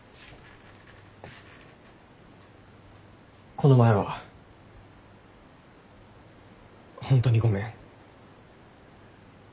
この前はホントにごめん。